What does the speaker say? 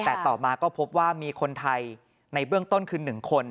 แต่ต่อมาก็พบว่ามีคนไทยในเบื้องต้นคือ๑คน